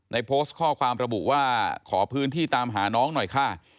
โพสต์ข้อความระบุว่าขอพื้นที่ตามหาน้องหน่อยค่ะ